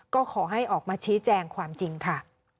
ก็ขอให้ออกมาชี้แจงความจริงค่ะ